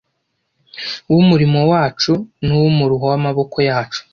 w umurimo wacu n uw umuruho w amaboko yacu